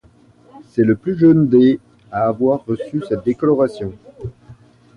C'est le plus jeune des à avoir reçu cette décoration.